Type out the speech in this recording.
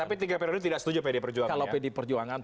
tapi tiga periode ini tidak setuju pd perjuangnya